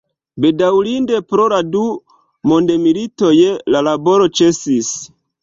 Bedaŭrinde, pro la du mondmilitoj la laboro ĉesis.